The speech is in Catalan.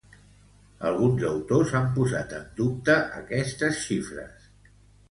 Alguns autors han posat en dubte aquestes xifres.